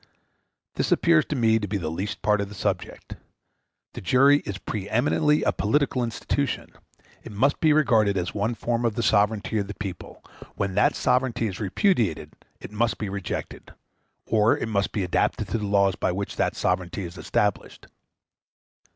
This appears to me to be the least part of the subject. The jury is pre eminently a political institution; it must be regarded as one form of the sovereignty of the people; when that sovereignty is repudiated, it must be rejected, or it must be adapted to the laws by which that sovereignty is established.